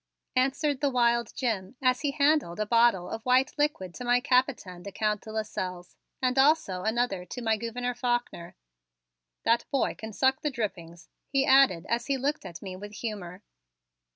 answered the wild Jim as he handed a bottle of white liquid to my Capitaine, the Count de Lasselles, and also another to my Gouverneur Faulkner. "That boy can suck the drippings," he added as he looked at me with humor.